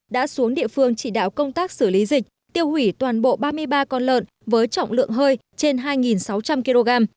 đã xuống địa phương chỉ đạo công tác xử lý dịch tiêu hủy toàn bộ ba mươi ba con lợn với trọng lượng hơi trên hai sáu trăm linh kg